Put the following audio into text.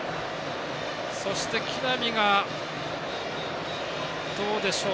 そして、木浪がどうでしょう。